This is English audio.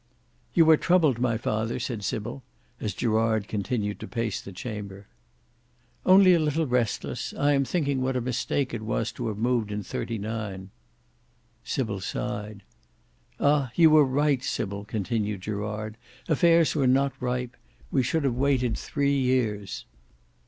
"You are troubled, my father," said Sybil, as Gerard continued to pace the chamber. "Only a little restless. I am thinking what a mistake it was to have moved in '39." Sybil sighed. "Ah! you were right, Sybil," continued Gerard; "affairs were not ripe. We should have waited three years."